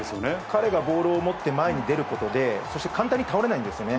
彼がボールを持って前に出ることで、そして簡単に倒れないんですよね。